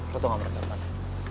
lo tau nggak mereka mana